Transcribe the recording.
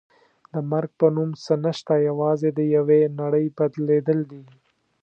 د مرګ په نوم څه نشته یوازې د یوې نړۍ بدلېدل دي.